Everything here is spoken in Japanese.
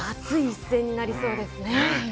熱い一戦になりそうですね。